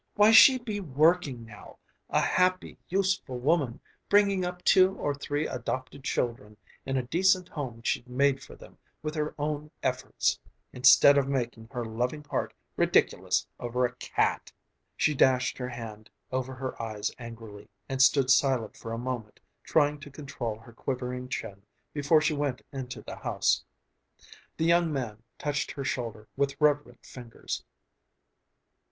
why she'd be working now, a happy, useful woman, bringing up two or three adopted children in a decent home she'd made for them with her own efforts... instead of making her loving heart ridiculous over a cat...." She dashed her hand over her eyes angrily, and stood silent for a moment, trying to control her quivering chin before she went into the house. The young man touched her shoulder with reverent fingers.